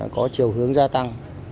có chiều hướng gia tăng